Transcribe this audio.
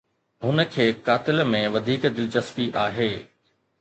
هن کي قاتل ۾ وڌيڪ دلچسپي آهي.